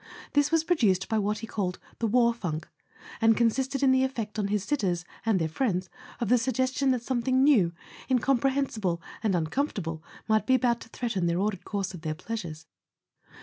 This was produced by what he called the "war funk," and consisted in the effect on his sitters and their friends of the suggestion that something new, incom¬ prehensible and uncomfortable might be about to threaten the ordered course of their pleasures.